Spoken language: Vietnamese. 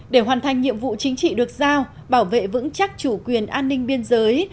để hoàn thành nhiệm vụ chính trị được giao bảo vệ vững chắc chủ quyền an ninh biên giới